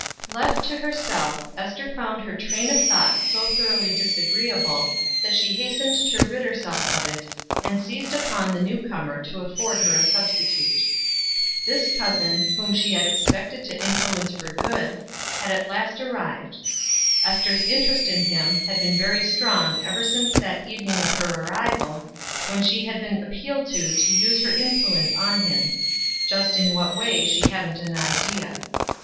Left to herself, Ester found her train of thought so thoroughly disagreeable that she hastened to rid herself of it, and seized upon the new comer to afford her a substitute. This cousin, whom she had expected to influence for good, had at last arrived. Ester's interest in him had been very strong ever since that evening of her arrival, when she had been appealed to to use her influence on him just in what way she hadn't an idea.